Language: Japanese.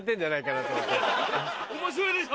面白いでしょ。